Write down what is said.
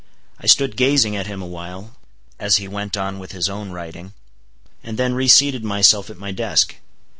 I stood gazing at him awhile, as he went on with his own writing, and then reseated myself at my desk.